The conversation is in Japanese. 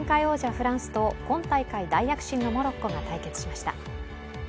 フランスと今大会大躍進のモロッコが対決しました。